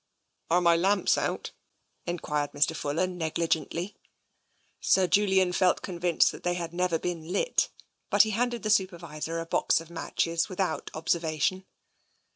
" "Are my lamps out?" enquired Mr. Fuller negli gently. Sir Julian felt convinced that they had never been lit, but he handed the Supervisor a box of matches without observation.